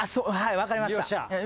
はい分かりました。